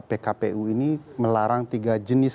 pkpu ini melarang tiga jenis